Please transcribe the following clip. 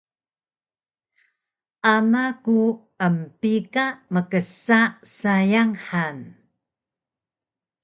Ana ku empika mksa sayang han